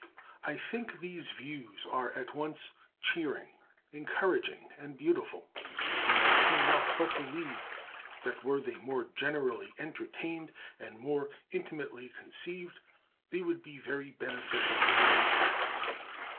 I think these views are at once cheering, encouraging, and beautiful; and I can not but believe, that were they more generally entertained and more intimately conceived, they would be very beneficial in their effects.